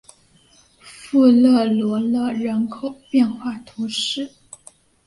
富热罗勒人口变化图示